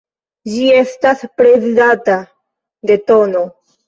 Ĝi estas prezidata de tn.